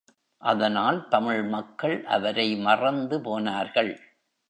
அதனால், தமிழ் மக்கள் அவரை மறந்து போனார்கள்.